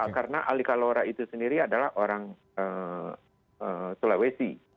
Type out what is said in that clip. karena ali kalora itu sendiri adalah orang sulawesi